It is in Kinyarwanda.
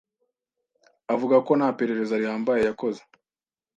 avuga ko nta perereza rihambaye yakoze